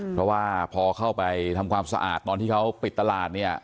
เพราะว่าพอเข้าไปทำความสะอาดตอนที่เขาปิดตลาดเนี่ย